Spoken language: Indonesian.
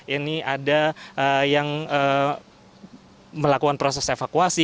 ini ada yang melakukan proses evakuasi